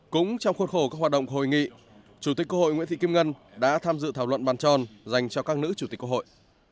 cũng trong khuôn khổ các hoạt động hội nghị chủ tịch quốc hội nguyễn thị kim ngân đã tham dự thảo luận bàn tròn dành cho các nữ chủ tịch quốc hội